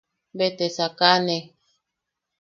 Be te sakane.